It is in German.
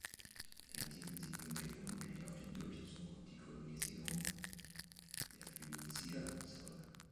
Die antike Siedlung geht vermutlich auf den Durchzug und die Kolonisierung der Phönizier zurück.